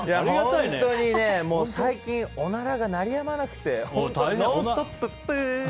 本当に最近おならが鳴りやまなくて本当にノンストップップ！